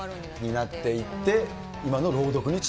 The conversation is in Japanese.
なっていって、今の朗読につ